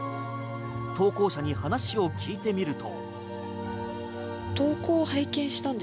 投稿者に話を聞いてみると。